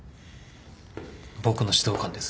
僕の指導官です。